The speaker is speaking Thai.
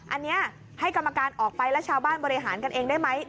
อันนี้ให้กรรมการออกไปแล้วชาวบ้านบริหารกันเองได้ไหม